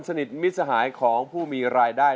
สนิทมิตรสหายของผู้มีรายได้